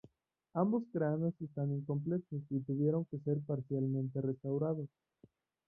Ambos cráneos están incompletos y tuvieron que ser parcialmente restaurados.